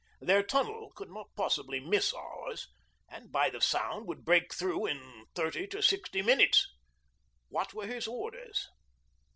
Their tunnel could not possibly miss ours, and, by the sound, would break through in thirty to sixty minutes. What were his orders?